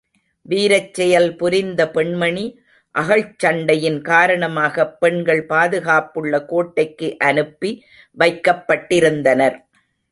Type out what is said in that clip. வீரச் செயல் புரிந்த பெண்மணி அகழ்ச் சண்டையின் காரணமாகப் பெண்கள் பாதுகாப்புள்ள கோட்டைக்கு அனுப்பி வைக்கப் பட்டிருந்தனர்.